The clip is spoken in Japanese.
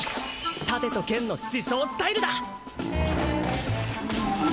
盾と剣の師匠スタイルだ